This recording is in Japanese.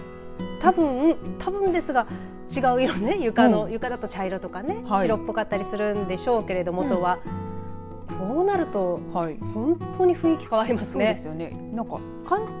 たぶんですが、違う絵を床だとと茶色とね白っぽかったりするんでしょうけどももともとはこうなると本当に雰囲気変わりますね。